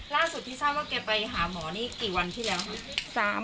ล่าสุดที่ทราบว่าแกไปหาหมอนี่กี่วันที่แล้วครับ